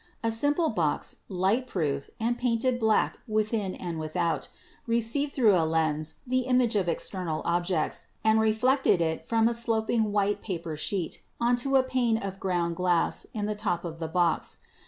A simple box, light proof, and painted black within and without, received through a lens the image of external objects and reflected it from a sloping white paper screen on to a plate of ground glass in the top of the box.